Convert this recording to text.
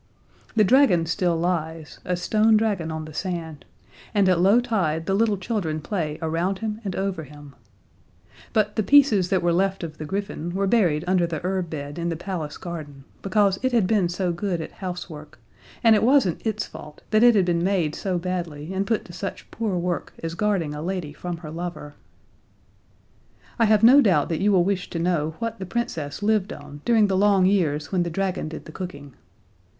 The dragon still lies, a stone dragon on the sand, and at low tide the little children play around him and over him. But the pieces that were left of the griffin were buried under the herb bed in the palace garden, because it had been so good at housework, and it wasn't its fault that it had been made so badly and put to such poor work as guarding a lady from her lover. I have no doubt that you will wish to know what the Princess lived on during the long years when the dragon did the cooking.